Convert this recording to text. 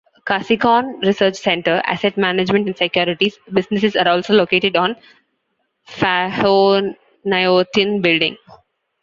Kasikorn Research Center, Asset Management and Securities businesses are also located on Phahonyothin building.